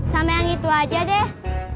sama yang itu aja deh